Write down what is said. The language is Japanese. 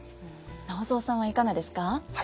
直三さんはいかがですか？